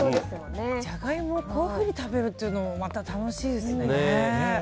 ジャガイモをこういうふうに食べるというのもまた楽しいですね。